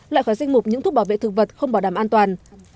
loại khóa sinh mục những thuốc bảo vệ thực vật không bảo đảm an toàn